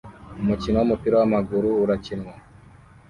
Umukino wumupira wamaguru urakinwa